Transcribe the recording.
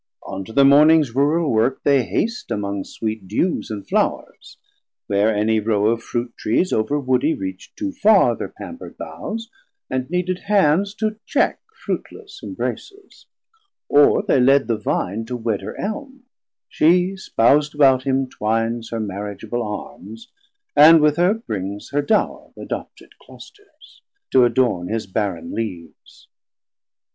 210 On to thir mornings rural work they haste Among sweet dewes and flours; where any row Of Fruit trees overwoodie reachd too farr Thir pamperd boughes, and needed hands to check Fruitless imbraces: or they led the Vine To wed her Elm; she spous'd about him twines Her mariageable arms, and with her brings Her dowr th' adopted Clusters, to adorn His barren leaves.